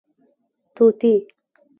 🦜 طوطي